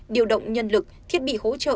điều động nhân lực thiết bị hỗ trợ